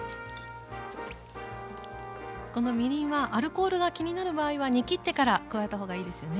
このみりんはアルコールが気になる場合は煮きってから加えた方がいいですよね。